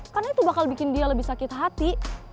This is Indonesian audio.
karena itu bakal bikin dia lebih sakit hati